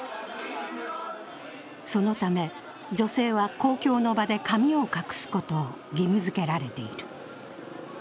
そのため、女性は公共の場で髪を隠すことを義務づけられている。